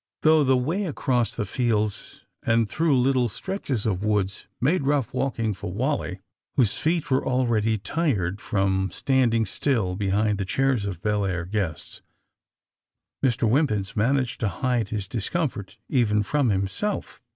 Though the way across fields and through lit tle stretches of woods made rough walking for Wally, whose feet were already tired from standing still behind the chairs of Belleair guests, Mr. Wimpins managed to hide his dis comfort even from himself.